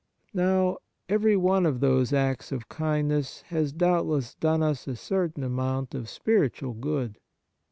Now, every one of those acts of kindness has doubtless done us a certain amount of spiritual good.